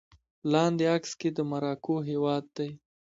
لاندې عکس کې د مراکو هېواد دی